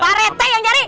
pak rete yang jari